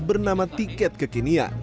bernama tiket kekinian